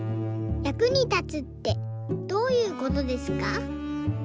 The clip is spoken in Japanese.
役に立つってどういうことですか？」。